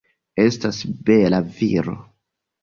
Estas bela viro.